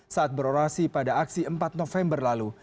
saat berorasi pada aksi empat november lalu